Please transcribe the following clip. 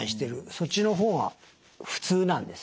そっちの方が普通なんですね。